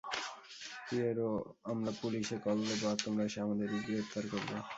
Piero, আমরা পুলিশে call দেবো, আর তোমরা এসে আমাদেরই গ্রেপ্তার করবে।